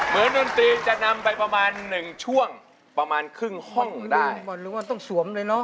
หรือนินตินำไปประมาณนึงชั่วงประมาณครึ่งห้องก็ได้